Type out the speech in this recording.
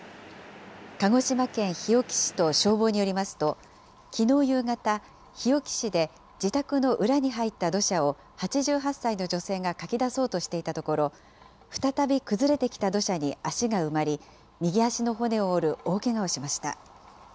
鹿児島県日置市と消防によりますと、きのう夕方、日置市で自宅の裏に入った土砂を８８歳の女性がかき出そうとしていたところ、再び崩れてきた土砂に足が埋まり、右足の骨を折る大けがをしました。